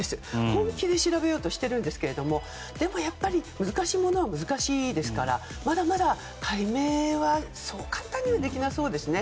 本気で調べようとしているんですがでもやっぱり難しいものは難しいですからまだまだ解明はそう簡単にはできなそうですね。